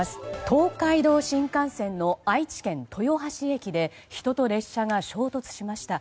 東海道新幹線の愛知県豊橋駅で人と列車が衝突しました。